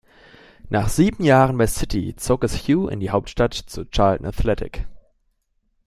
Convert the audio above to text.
Nach sieben Jahren bei City zog es Hughes in die Hauptstadt zu Charlton Athletic.